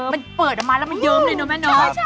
มันเปิดออกมาแล้วมันเยิ้มเลยเนอะแม่เนอะ